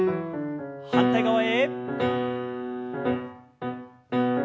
反対側へ。